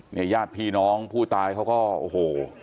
ญาติพี่น้องผู้ตายเขาก็โอ้โห